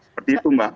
seperti itu mbak